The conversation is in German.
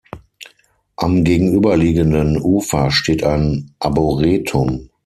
Am gegenüberliegenden Ufer steht ein Arboretum.